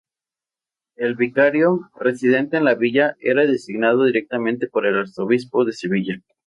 El vicario, residente en la villa, era designado directamente por el Arzobispo de Sevilla.